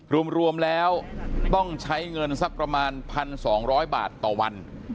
รวมแล้วต้องใช้เงินสักประมาณ๑๒๐๐บาทต่อวัน